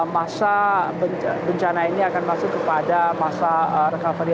masa bencana ini akan masuk kepada masa recovery